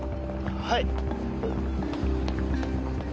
はい。